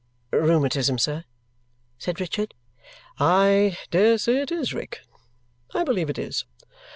"Rheumatism, sir?" said Richard. "I dare say it is, Rick. I believe it is.